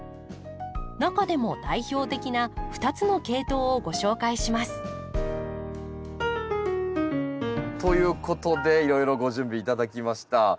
中でも代表的な２つの系統をご紹介します。ということでいろいろご準備頂きました。